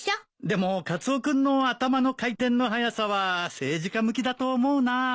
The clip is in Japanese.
でもカツオ君の頭の回転の速さは政治家向きだと思うなあ。